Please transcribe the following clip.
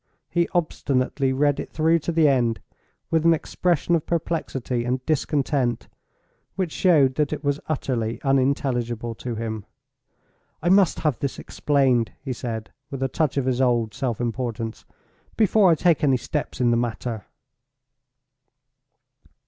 He obstinately read it through to the end, with an expression of perplexity and discontent which showed that it was utterly unintelligible to him. "I must have this explained," he said, with a touch of his old self importance, "before I take any steps in the matter."